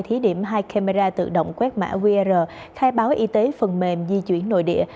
thí điểm hai camera tự động quét mã qr khai báo y tế phần mềm di chuyển nội địa